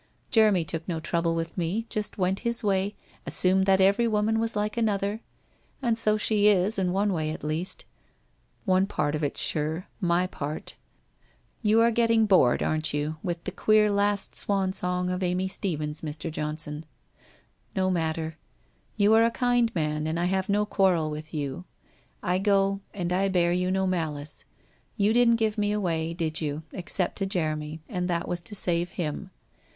Jeremy took no trouble with me, just went his way, assumed that every woman was like another. ... And so she is, in one way, at least. One part of it's sure — my part. ... You are getting bored, aren't you, with the queer last swan song of Amy Stephens, Mr. Johnson? ... No matter, you are a kind man, and I have no quarrel with you. I go, and I bear you no malice. You didn't give me away, did you, except to Jeremy, and that was to save him.